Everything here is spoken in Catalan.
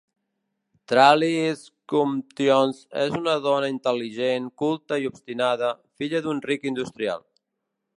Truly Scrumptious és una dona intel·ligent, culta i obstinada, filla d'un ric industrial.